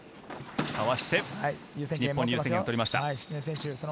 かわして日本、優先権を取りました。